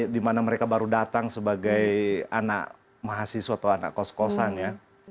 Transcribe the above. dimana mereka baru datang sebagai anak mahasiswa atau anak kos kosan ya